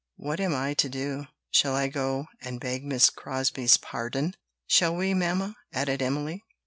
What am I to do? Shall I go and beg Miss Crosbie's pardon?" "Shall we, mamma?" added Emily.